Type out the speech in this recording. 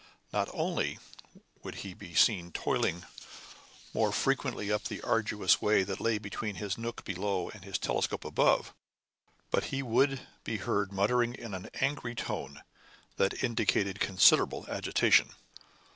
Not only would he be seen toiling more frequently up the arduous way that lay between his nook below and his telescope above, but he would be heard muttering in an angry tone that indicated considerable agitation.